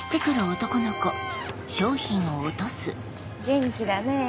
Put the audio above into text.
元気だねぇ。